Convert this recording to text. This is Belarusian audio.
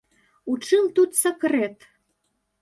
У чым тут сакрэт?